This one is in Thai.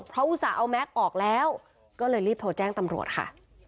เฟรมออกแล้วก็เลยรีบโทรแจ้งตำรวจค่ะ